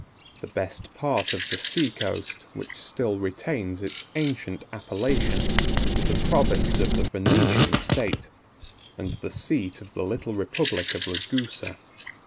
The best part of the sea coast, which still retains its ancient appellation, is a province of the Venetian state, and the seat of the little republic of Ragusa.